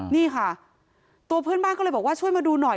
นี่ค่ะตัวเพื่อนบ้านก็เลยบอกว่าช่วยมาดูหน่อย